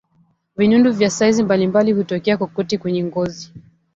Vinundu vya saizi mbalimbali hutokea kokote kwenye ngozi